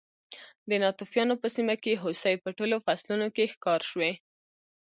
د ناتوفیانو په سیمه کې هوسۍ په ټولو فصلونو کې ښکار شوې.